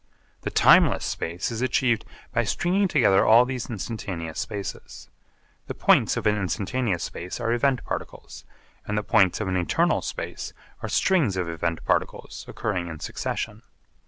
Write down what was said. The timeless space is achieved by stringing together all these instantaneous spaces. The points of an instantaneous space are event particles, and the points of an eternal space are strings of event particles occurring in succession.